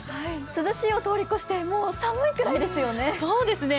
涼しいを通り越して、もう寒いくらいですよね。